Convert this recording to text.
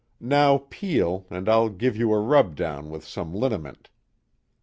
Now peel, and I'll give you a rub down with some liniment."